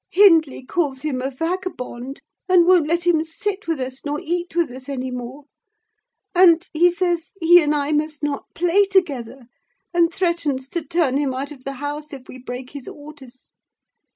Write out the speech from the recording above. Hindley calls him a vagabond, and won't let him sit with us, nor eat with us any more; and, he says, he and I must not play together, and threatens to turn him out of the house if we break his orders.